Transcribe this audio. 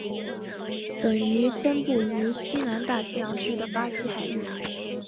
本鱼分布于西南大西洋区的巴西海域。